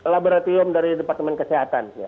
laboratorium dari departemen kesehatan